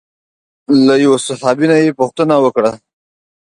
له یوه صحابي نه یې پوښتنه وکړه.